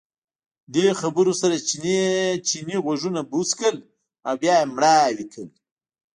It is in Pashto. دې خبرو سره چیني غوږونه بوڅ کړل او بیا یې مړاوي کړل.